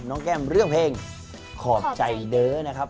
น้องแก้มเลือกเพลงขอบใจเด้อนะครับ